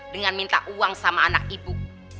dengan minta uang sama anak ibu